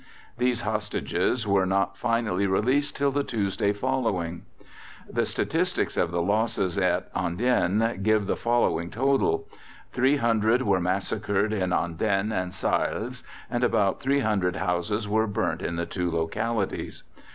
These hostages were not finally released till the Tuesday following. The statistics of the losses at Andenne give the following total: Three hundred were massacred in Andenne and Seilles, and about 300 houses were burnt in the two localities.